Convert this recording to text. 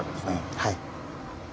はい。